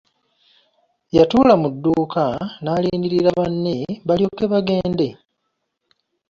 Yatuula mu dduuka n'alindirira banne balyoke bagenge.